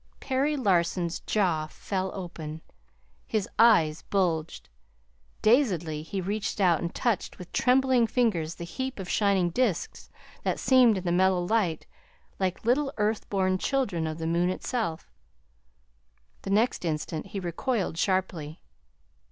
Perry Larson's jaw fell open. His eyes bulged. Dazedly he reached out and touched with trembling fingers the heap of shining disks that seemed in the mellow light like little earth born children of the moon itself. The next instant he recoiled sharply.